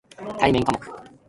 対面科目